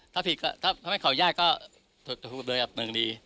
ถ้าผลิตก็ถ้าไม่ขออนุญาตก็โทษกับเบอร์กันดี